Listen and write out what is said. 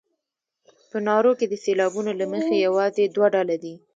په نارو کې د سېلابونو له مخې یوازې دوه ډوله دي.